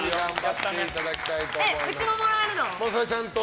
うちももらえるの？